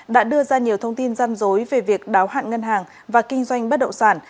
đã đưa ra nhiều thông tin răm rối về việc đáo hạn ngân hàng và kinh doanh bất động sản